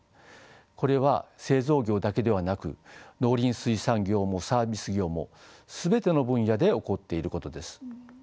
これは製造業だけではなく農林水産業もサービス業も全ての分野で起こっていることです。